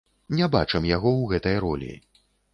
Не бачым яго ў гэтай ролі.